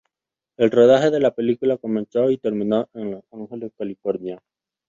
El rodaje de la película comenzó y terminó en Los Ángeles, California.